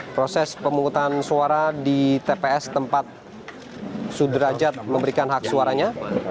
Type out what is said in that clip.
proses pemungutan suara di tps tempat sudrajat memberikan hak suaranya